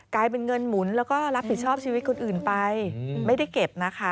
กลายเป็นเงินหมุนแล้วก็รับผิดชอบชีวิตคนอื่นไปไม่ได้เก็บนะคะ